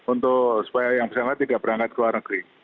untuk supaya yang bersangkutan tidak berangkat ke luar negeri